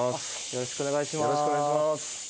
よろしくお願いします。